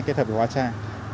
kết hợp với hoa trang